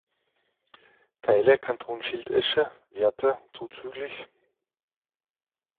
Teile Kanton Schildesche, Werther zzgl.